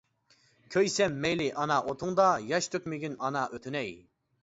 كۆيسەم مەيلى ئانا ئوتۇڭدا، ياش تۆكمىگىن ئانا ئۆتۈنەي.